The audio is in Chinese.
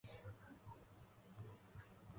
冰岛马是发展自冰岛的一个马品种。